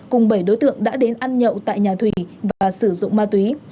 cùng bảy đối tượng đã đến ăn nhậu tại nhà thùy và sử dụng ma túy